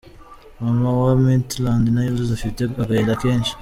Mama wa Maitland Niles afite agahinda kenshi.